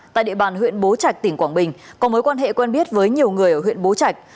tại địa bàn huyện bố trạch tỉnh quảng bình có mối quan hệ quen biết với nhiều người ở huyện bố trạch